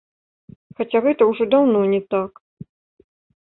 Хаця гэта ўжо даўно не так.